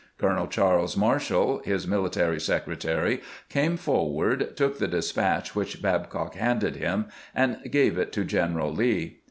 Colonel Charles Marshall, his military secretary, came forward, took the despatch which Babcock handed him, and gave it to General Lee.